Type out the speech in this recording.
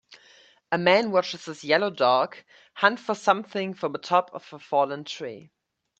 A man watches his yellow dog hunt for something from on top of a fallen tree.